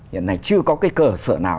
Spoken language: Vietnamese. hiện nay chưa có cái cờ sở nào